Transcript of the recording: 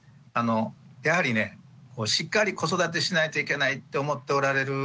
やはりねしっかり子育てしないといけないって思っておられる